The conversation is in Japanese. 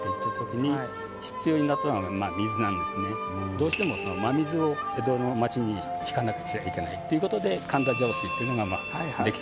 どうしても真水を江戸の町に引かなくちゃいけないっていう事で神田上水っていうのがまあできたわけなんです。